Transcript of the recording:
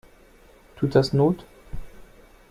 Tut das not?